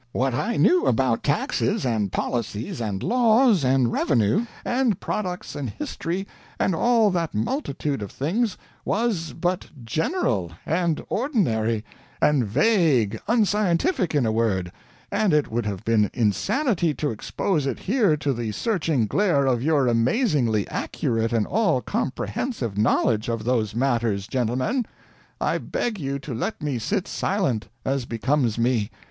What I knew about taxes, and policies, and laws, and revenue, and products, and history, and all that multitude of things, was but general, and ordinary, and vague unscientific, in a word and it would have been insanity to expose it here to the searching glare of your amazingly accurate and all comprehensive knowledge of those matters, gentlemen. I beg you to let me sit silent as becomes me.